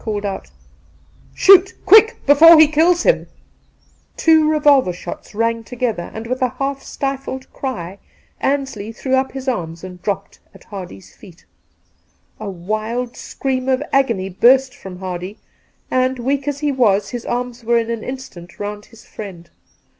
called out :' Shoot quick, before he kills him !' Two revolver shots rang together, and with a haJf stifled cry, Ansley threw up his arms and dropped at Hardy's feet. A wild scream of agony burst from Hardy, and, weak as he was, his arms were in an instant round his friend.